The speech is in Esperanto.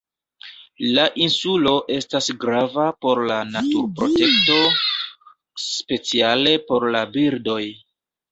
La insulo estas grava por la naturprotekto, speciale por la birdoj.